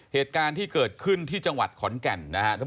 เหตุการณ์ที่เกิดขึ้นที่จังหวัดขอนแก่นนะครับ